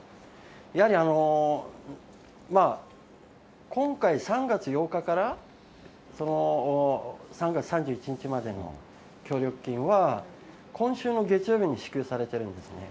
やはり、今回３月８日から３月３１日までの協力金は今週の月曜日に支給さ遅い。